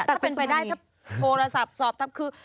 ถ้าเป็นไปได้ถ้าโทรศัพท์สอบทับคือ